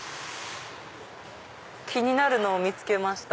気になるのを見つけました。